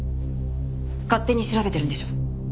勝手に調べてるんでしょ？